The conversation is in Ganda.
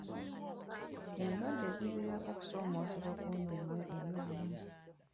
Endwadde ziviirako okusoomoozebwa kungi nnyo eri obulamu.